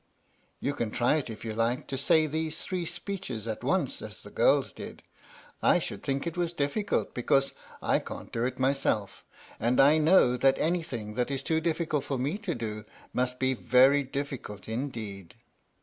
You can try if you like to say these three speeches at once as the girls did. I should think it was difficult because I can't do it myself, and I know that any thing that is too difficult for me to do must be very difficult indeed.